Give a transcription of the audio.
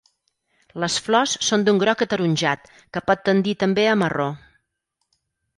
Les flors són d'un groc ataronjat que pot tendir també a marró.